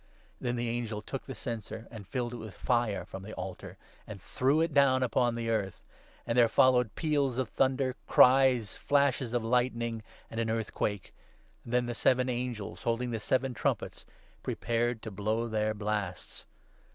Then the angel took 5 the censer, and filled it with fire from the altar, and threw it down upon the earth ; and there followed ' peals of thunder, cries, flashes of lightning,' and an earthquake. Then the seven angels holding the seven trumpets prepared 6 to blow their blasts.